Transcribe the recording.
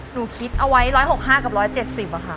หนูคิดเอาไว้๑๖๕กับ๑๗๐ค่ะ